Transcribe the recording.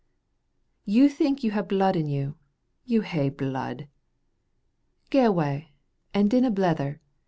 You think you have blood in you. You ha'e blood! Gae awa, and dinna blether.